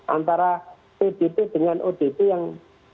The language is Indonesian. antara pbb dengan odb yang